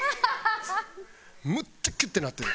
むっちゃギュッてなってる。